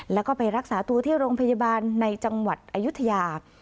แล้วก็ไปรักษาตัวที่โรงพยาบาลในจังหวัดอายุทยา